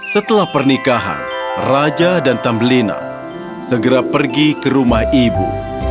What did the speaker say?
setelah pernikahan raja dan tambelina segera pergi ke rumah ibu